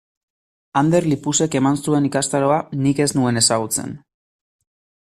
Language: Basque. Ander Lipusek eman zuen ikastaroa nik ez nuen ezagutzen.